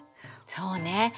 そうね。